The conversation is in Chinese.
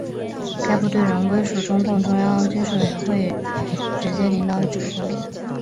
该部队仍归属中共中央军事委员会直接领导与指挥。